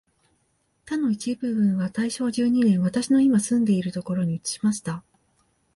他の一部分は大正十二年、私のいま住んでいるところに移しました